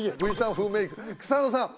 風メイク草野さん